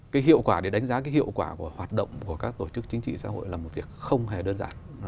cái hiệu quả để đánh giá cái hiệu quả của hoạt động của các tổ chức chính trị xã hội là một việc không hề đơn giản